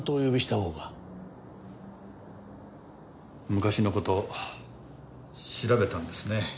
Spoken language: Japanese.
昔の事調べたんですね。